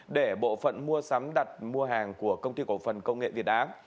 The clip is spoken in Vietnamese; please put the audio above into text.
để bộ phận mua sắm đặt mua hàng của công ty cổ phần công nghệ việt á